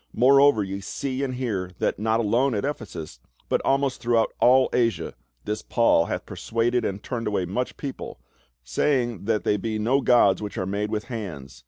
More over ye see and hear, that not alone at Ephesus, but almo.st throughout all A.sia, this Paul hath persuaded and turned away much people, saying that they be no gods which arc made with hands.